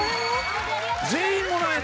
全員もらえるの？